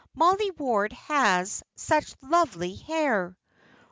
Mollie Ward has such lovely hair!"